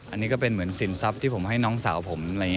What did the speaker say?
อันนี้ก็เป็นเหมือนสินทรัพย์ที่ผมให้น้องสาวผม